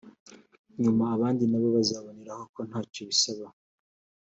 nyuma abandi na bo bazaboneraho ko ntacyo bisaba